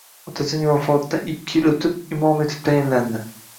Otasining vafotidan ikki yil oʻtib imom etib tayinlandi